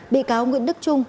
bị cáo nguyễn đức trung